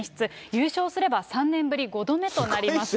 優勝すれば３年ぶり５度目となりますよ。